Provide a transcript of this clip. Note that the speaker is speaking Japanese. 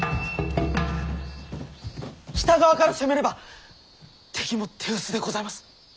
北側から攻めれば敵も手薄でございます。